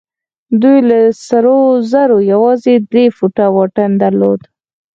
دوی له سرو زرو يوازې درې فوټه واټن درلود.